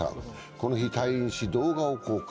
この日、退院し、動画を公開。